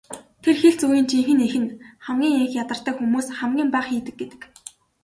Тэр хэлц үгийн жинхэнэ эх нь "хамгийн их ярьдаг хүмүүс хамгийн бага хийдэг" гэдэг.